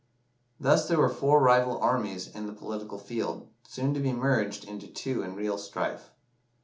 Thus there were four rival armies in the political field, soon to be merged into two in real strife.